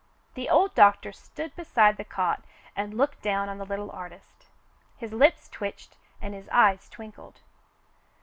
The old doctor stood beside the cot and looked down on the Uttle artist. His lips twitched and his eyes twinkled.